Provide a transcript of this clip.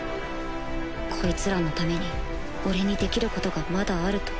こいつらのために俺にできることがまだあると